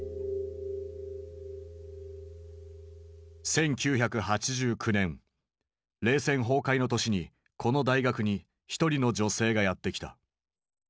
１９８９年冷戦崩壊の年にこの大学に一人の女性がやって来た。